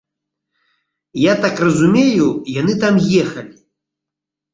Я так разумею, яны там ехалі.